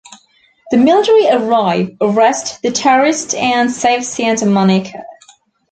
The military arrive, arrest the terrorists and save Santa Monica.